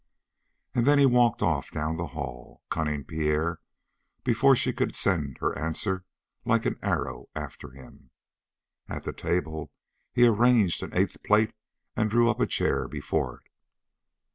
And then he walked off down the hall cunning Pierre before she could send her answer like an arrow after him. At the table he arranged an eighth plate and drew up a chair before it.